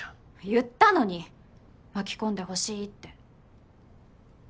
言ったのに巻き込んでほしいって。